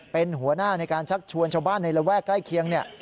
เป็นหัวหน้าในการชักชวนชาวบ้านในระแวกใกล้เคียงเนี่ย